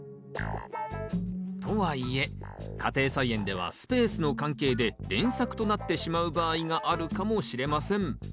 とはいえ家庭菜園ではスペースの関係で連作となってしまう場合があるかもしれません。